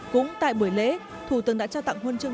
cũng tại buổi lễ thủ tướng đã trao tặng huân chương